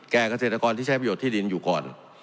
เกษตรกรที่ใช้ประโยชน์ที่ดินอยู่ก่อน